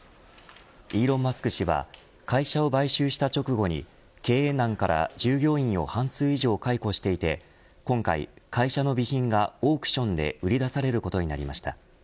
イーロン・マスク氏は会社を買収した直後に経営難から従業員を半数以上解雇していて今回、会社の備品がオークションで売り出されることになりました。